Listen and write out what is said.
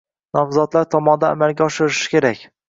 Nomzodlar tomonidan amalga oshirilishi kerak.